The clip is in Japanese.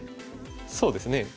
そうですね。